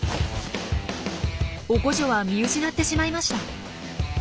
オコジョは見失ってしまいました。